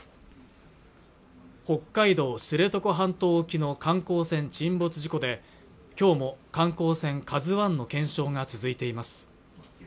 北海道知床半島沖の観光船沈没事故で今日も観光船「ＫＡＺＵ１」の検証が続いています